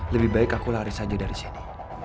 lebih baik aku lari saja dari sini